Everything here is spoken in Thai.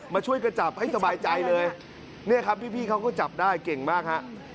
มาช่วยกระจับให้สบายใจเลยเนี่ยครับพี่เขาก็จับได้เก่งมากฮะ